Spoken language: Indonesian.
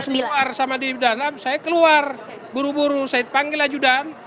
keluar sama di dalam saya keluar buru buru saya panggil ajudan